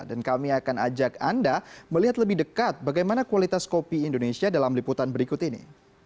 dan kami akan ajak anda melihat lebih dekat bagaimana kualitas kopi indonesia dalam liputan berikut ini